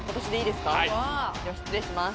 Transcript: では失礼します